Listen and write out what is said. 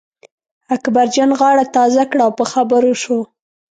اکبرجان غاړه تازه کړه او په خبرو شو.